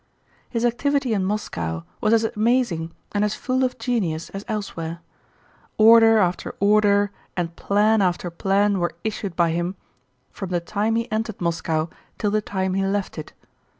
His activity in Moscow was as amazing and as full of genius as elsewhere. Order after order and plan after plan were issued by him from the time he entered Moscow till the time he left it.